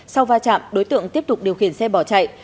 sau va chạm đối tượng tiếp tục điều khiển xe bỏ chạy